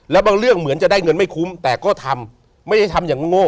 แล้วบางเรื่องเหมือนจะได้เงินไม่คุ้มแต่ก็ทำไม่ได้ทำอย่างโง่